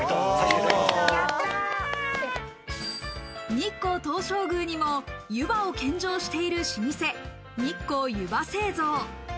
日光東照宮にもゆばを献上している老舗・日光ゆば製造。